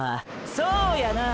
そうやな！！